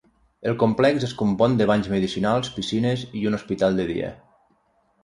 El complex es compon de banys medicinals, piscines i un hospital de dia.